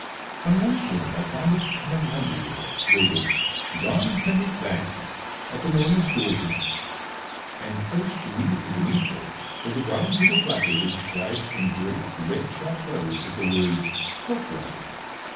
On one corner I found it in a laundry window, labeled, "John Kendrick Bangs at the Normal School Tonight," and placed immediately beneath this was a brown paper placard inscribed in great, red chalk letters with the words, "HELP WANTED."